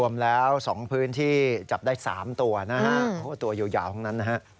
รวมแล้ว๒พื้นที่จับได้๓ตัวนะฮะตัวยาวทั้งนั้นนะฮะ